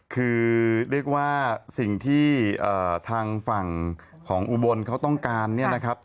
คือเรียกว่าสิ่งที่ทางฝั่งของอุบลเขาต้องการเนี่ยนะครับ